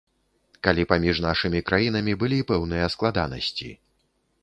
Калі паміж нашымі краінамі былі пэўныя складанасці.